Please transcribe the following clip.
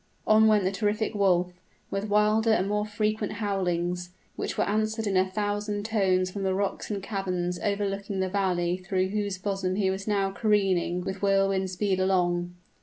On went the terrific wolf, with wilder and more frequent howlings, which were answered in a thousand tones from the rocks and caverns overlooking the valley through whose bosom he was now careering with whirlwind speed along.